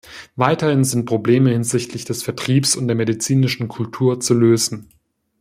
Weiterhin sind Probleme hinsichtlich des Vertriebs und der medizinischen Kultur zu lösen.